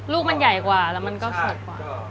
ลูกมันใหญ่กว่าแล้วมันก็สดกว่า